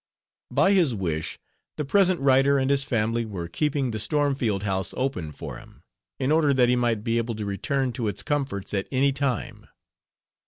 By his wish, the present writer and his family were keeping the Stormfield house open for him, in order that he might be able to return to its comforts at any time.